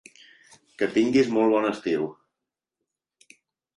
Que tinguis molt bon estiu!